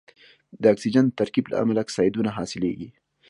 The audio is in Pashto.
د اکسیجن د ترکیب له امله اکسایدونه حاصلیږي.